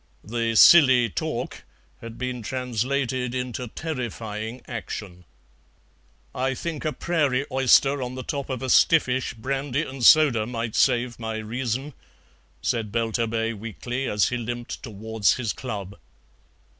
The "silly talk" had been translated into terrifying action. "I think a prairie oyster on the top of a stiffish brandy and soda might save my reason," said Belturbet weakly, as he limped towards his club.